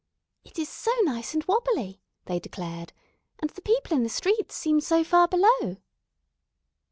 "It is so nice and wobbly," they declared, "and the people in the streets seem so far below."